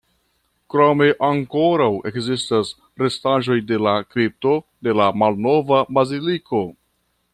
Krome ankoraŭ ekzistas restaĵoj de la kripto de la malnova baziliko.